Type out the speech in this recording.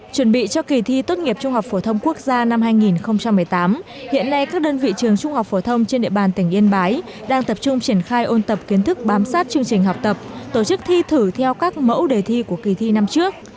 chuẩn bị cho kỳ thi tốt nghiệp trung học phổ thông quốc gia năm hai nghìn một mươi tám hiện nay các đơn vị trường trung học phổ thông trên địa bàn tỉnh yên bái đang tập trung triển khai ôn tập kiến thức bám sát chương trình học tập tổ chức thi thử theo các mẫu đề thi của kỳ thi năm trước